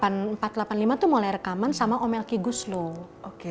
nah sd empat ratus delapan puluh lima itu mulai rekaman sama om elki gusloh